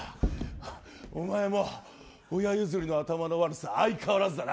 お前も親譲りの頭の悪さ相変わらずだな。